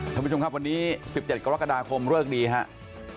ท่านผู้ชมครับวันนี้๑๗กรกฎาคมเลิกดีครับ